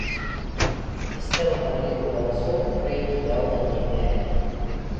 Сістэма падліку галасоў у краіне яўна не ідэальная.